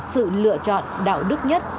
sự lựa chọn đạo đức nhất